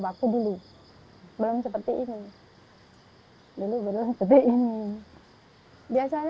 aku dulu belum seperti ini